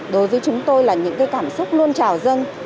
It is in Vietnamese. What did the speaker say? đối với chúng tôi là những cái cảm xúc luôn trào dâng